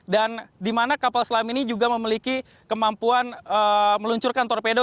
dan dimana kapal selam ini juga memiliki kemampuan meluncurkan torpedo